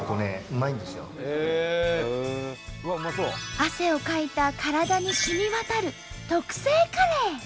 汗をかいた体にしみ渡る特製カレー！